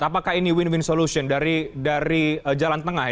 apakah ini win win solution dari jalan tengah